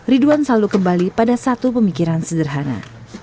ridwan selalu kembali pada satu pemikiran sederhana